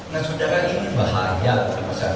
nah saudara ini bahaya